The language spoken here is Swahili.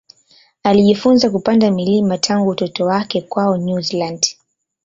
Alijifunza kupanda milima tangu utoto wake kwao New Zealand.